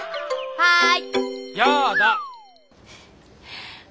はい。